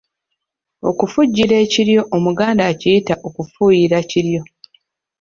Okufujjira ekiryo Omuganda akiyita kufuuyira kiryo.